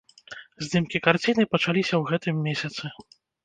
Здымкі карціны пачаліся ў гэтым месяцы.